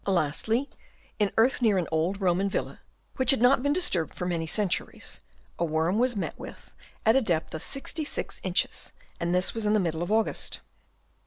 Lastly, in earth near an old Roman Villa, which had not been disturbed for many centu ries, a worm was met with at a depth of 66 inches ; and this was in the middle of August.